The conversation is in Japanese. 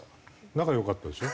仲良かったですよ。